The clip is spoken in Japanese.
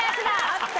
あった。